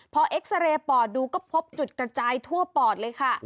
พอเอ็กซาเรย์ปอดดูก็พบจุดกระจายทั่วปอดเลยค่ะ